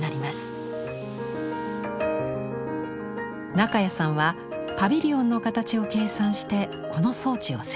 中谷さんはパビリオンの形を計算してこの装置を設置。